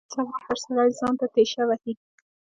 نن سبا هر سړی ځان ته تېشه وهي.